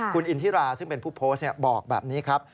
คุณอินทิราซึ่งเป็นผู้โพสต์บอกแบบนี้ครับ